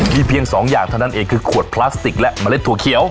มีเพียงสองอย่างเท่านั้นเองคือขวดพลาสติกและเมล็ดถั่วเขียว